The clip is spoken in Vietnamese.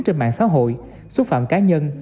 trên mạng xã hội xúc phạm cá nhân